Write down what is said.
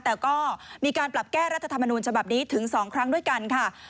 แต่ก็มีการปรับแก้รัฐธรรมนูญฉบับนี้ถึง๒ครั้งด้วยกันค่ะ